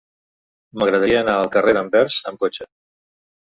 M'agradaria anar al carrer d'Anvers amb cotxe.